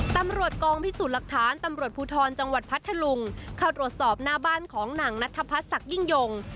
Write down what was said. ตำรวจกองพิสูจน์หลักฐานตำรวจภูทรจังหวัดพัทธลุงเข้าตรวจสอบหน้าบ้านของหนังนัทพัฒนศักดิ่งยง